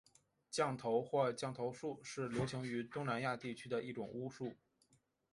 降头或降头术是流行于东南亚地区的一种巫术。